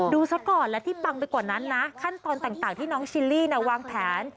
ซะก่อนและที่ปังไปกว่านั้นนะขั้นตอนต่างที่น้องชิลลี่วางแผน